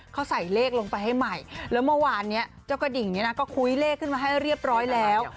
เขาใส่เลขลงไปให้ใหม่แล้วเมื่อวานนี้เจ้ากระดิ่งเนี่ยนะก็คุยเลขขึ้นมาให้เรียบร้อยแล้ว